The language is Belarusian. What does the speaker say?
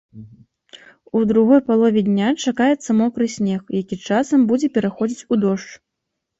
У другой палове дня чакаецца мокры снег, які часам будзе пераходзіць у дождж.